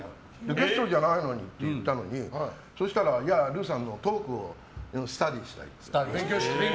ゲストじゃないのにって言ったのにそうしたら、ルーさんのトークをスタディーしたいって。